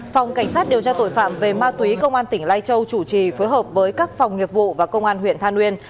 phòng cảnh sát điều tra tội phạm về ma túy công an tỉnh lai châu chủ trì phối hợp với các phòng nghiệp vụ và công an huyện than uyên